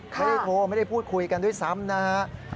ไม่ได้โทรไม่ได้พูดคุยกันด้วยซ้ำนะครับ